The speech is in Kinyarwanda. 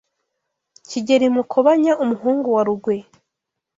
Kigeli Mukobanya umuhungu wa Rugwe,